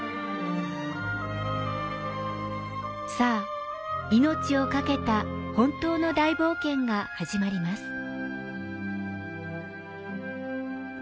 さあ、命をかけた本当の大冒険が始まります。